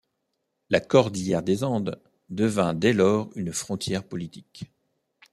La cordillère des Andes devint dès lors une frontière politique.